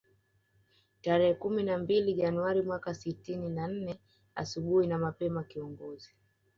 Tarehe kumi na mbili Januari mwaka sitini na nne asubuhi na mapema kiongozi